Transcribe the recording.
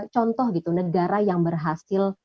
contoh gitu negara yang berhasil